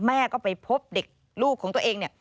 แม่ก็ไปพบเด็กลูกของตัวเองเนี่ย